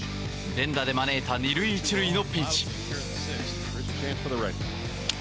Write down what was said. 連打で招いた２塁１塁のピンチ。